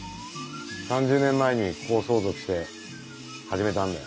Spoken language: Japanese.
３０年前にここを相続して始めたんだよ。